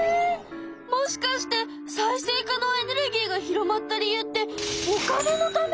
もしかして再生可能エネルギーが広まった理由ってお金のため？